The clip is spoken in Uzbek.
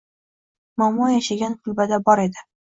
Momo yashagan kulbada bor edi